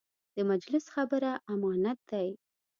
د مجلس خبره امانت دی.